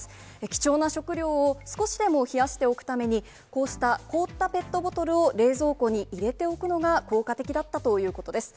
貴重な食料を少しでも冷やしておくために、こうした凍ったペットボトルをお冷蔵庫に入れておくのが効果的だったということです。